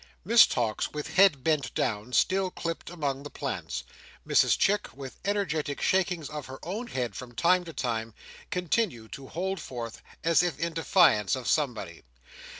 Miss Tox, with head bent down, still clipped among the plants. Mrs Chick, with energetic shakings of her own head from time to time, continued to hold forth, as if in defiance of somebody.